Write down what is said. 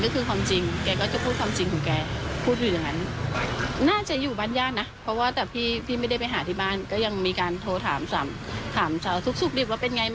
คุณผู้ชมคลิปเลยครับ